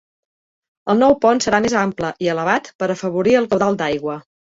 El nou pont serà més ample i elevat per afavorir el caudal d"aigua.